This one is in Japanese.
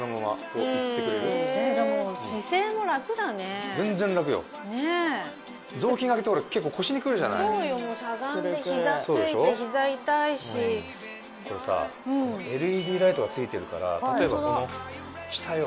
これさＬＥＤライトが付いてるから例えばこの下よ。